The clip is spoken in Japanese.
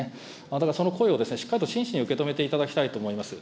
だから、その声をしっかりと真摯に受け止めていただきたいと思います。